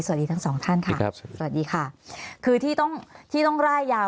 สวัสดีทั้งสองท่านค่ะครับสวัสดีค่ะคือที่ต้องที่ต้องร่ายยาว